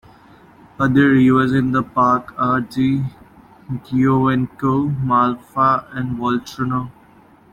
Other rivers in the park are the Giovenco, Malfa and Volturno.